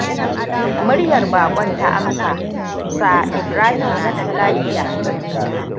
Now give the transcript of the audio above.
Muryar baƙon ta amsa,“Sir Ibrahim na nan lafiya.”